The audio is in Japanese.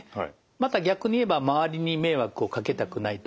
また逆に言えば周りに迷惑をかけたくないと。